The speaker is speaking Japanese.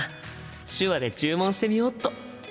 手話で注文してみよっと！